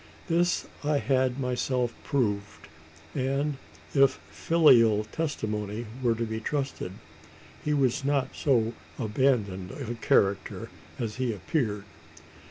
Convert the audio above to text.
This I had myself proved; and, if filial testimony were to be trusted, he was not so abandoned a character as he appeared.